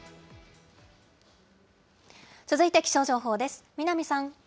続いて気象情報です。